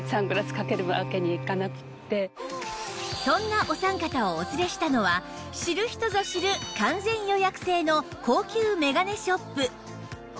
そんなお三方をお連れしたのは知る人ぞ知る完全予約制の高級眼鏡ショップ